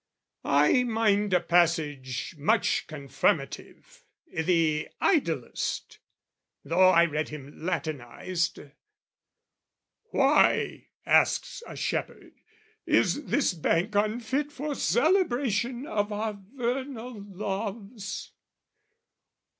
I mind a passage much confirmative I' the Idyllist (though I read him Latinized) "Why," asks a shepherd, "is this bank unfit "For celebration of our vernal loves?"